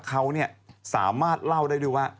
เขาสามารถเล่าได้ด้วยว่า